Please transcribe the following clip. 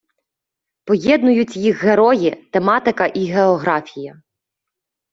Поєднують їх герої, тематика і географія.